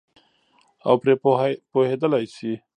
او پرې پوهېدلای شي.